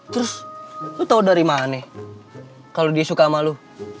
terus lu tau dari mana kalo dia suka sama lu